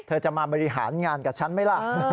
จะมาบริหารงานกับฉันไหมล่ะ